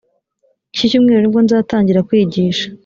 icyi cyumweru nibwo nzatangira kwigisha